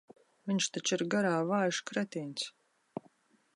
Viņš taču ir garā vājš kretīns.